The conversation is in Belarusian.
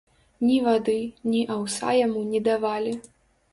Ні вады, ні аўса яму не давалі.